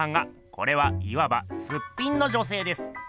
これはいわば「すっぴん」の女せいです。